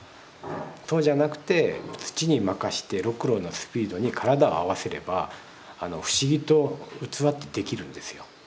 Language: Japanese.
そうじゃなくて土に任してろくろのスピードに体を合わせれば不思議と器ってできるんですよ。